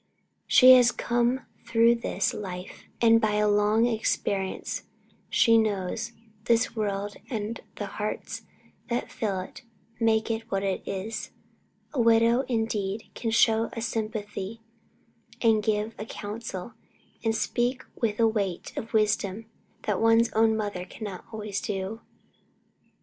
She has come through this life, and by a long experience she knows this world and the hearts that fill it and make it what it is. A widow indeed can show a sympathy, and give a counsel, and speak with a weight of wisdom that one's own mother cannot always do.